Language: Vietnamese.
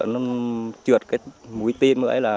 nó trượt cái mũi tên nữa